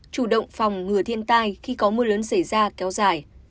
chủ động phòng ngừa thiên tai khi có mưa lớn xảy ra kéo dài